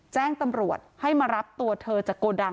แจ้งตำรวจให้มารับตัวเธอจากโกดัง